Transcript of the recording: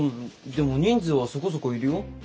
でも人数はそこそこいるよ。